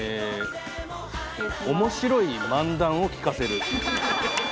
面白い漫談を聴かせる。